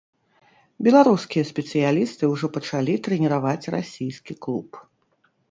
Беларускія спецыялісты ўжо пачалі трэніраваць расійскі клуб.